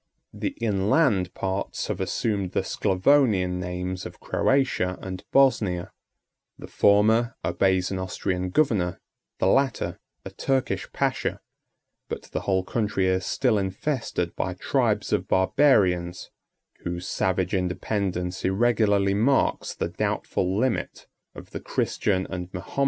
The inland parts have assumed the Sclavonian names of Croatia and Bosnia; the former obeys an Austrian governor, the latter a Turkish pacha; but the whole country is still infested by tribes of barbarians, whose savage independence irregularly marks the doubtful limit of the Christian and Mahometan power.